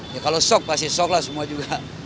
ya kalau sok pasti sok lah semua juga